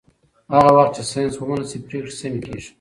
هغه مهال چې ساینس ومنل شي، پرېکړې سمې کېږي.